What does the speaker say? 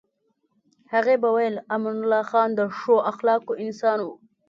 هغې به ویل امان الله خان د ښو اخلاقو انسان و.